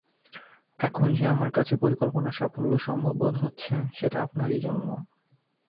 এখন যে আমার কাছে পরিকল্পনার সাফল্য সম্ভব বোধ হচ্ছে, সেটা আপনারই জন্য।